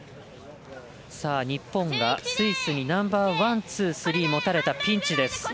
日本がスイスにナンバーワン、ツー、スリー持たれた、ピンチです。